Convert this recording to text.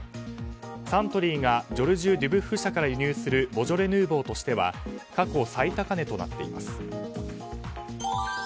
サントリーがジョルジュデュブッフ社から輸入するボジョレ・ヌーボーとしては過去最高値となっています。